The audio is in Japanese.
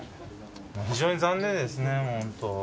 非常に残念ですね、本当。